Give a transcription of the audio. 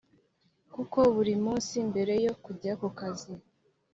kuko buri munsi mbere yo kujya ku kazi,